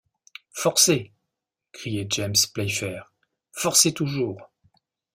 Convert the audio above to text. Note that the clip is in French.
Forcez! criait James Playfair, forcez toujours !